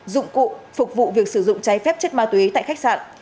dụng cụ phục vụ việc sử dụng cháy phép chất ma túy tại khách sạn